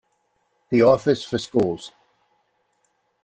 The Office for Schools.